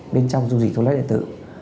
bên trong dung dịch thuốc lái điện tử